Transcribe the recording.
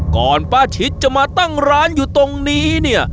ป้าชิดจะมาตั้งร้านอยู่ตรงนี้เนี่ย